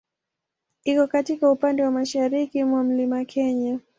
Iko katika upande wa mashariki mwa Mlima Kenya.